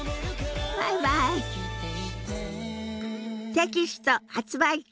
テキスト発売中。